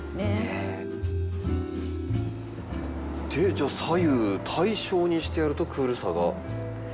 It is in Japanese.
じゃあ左右対称にしてやるとクールさが際立つ？